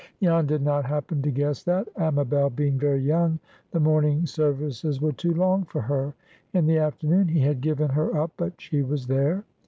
Jan did not happen to guess that, Amabel being very young, the morning services were too long for her. In the afternoon he had given her up, but she was there.